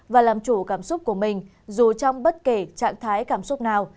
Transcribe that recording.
và làm chủ cảm xúc của mình dù trong bất kể trạng thái cảm xúc nào